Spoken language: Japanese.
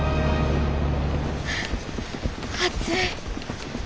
暑い。